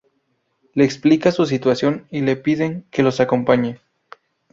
Le explican su situación y le piden que los acompañe.